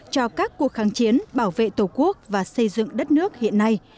cho các cuộc kháng chiến bảo vệ tổ quốc và xây dựng đất nước hiện nay